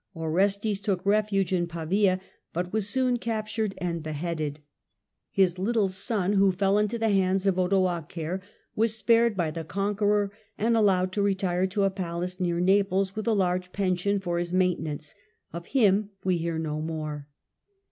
Orestes took refuge in Pavia, but was soon captured and beheaded. His little son, THE EMPIRE IN 476 13 who fell into the hands of Odoacer, was spared by the conqueror, and allowed to retire to a palace near Naples with a large pension for his maintenance. Of him we hear no more.